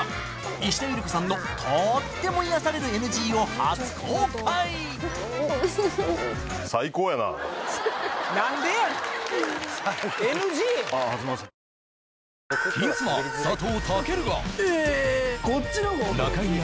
石田ゆり子さんのとっても癒やされるＮＧを初公開Ｗｈａｔ？